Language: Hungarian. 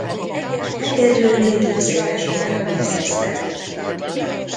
Hegedülni tízéves korában kezdett.